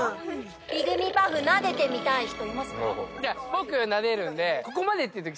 僕なでるんで。